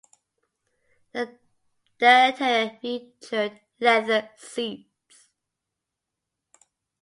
The interior featured leather seats.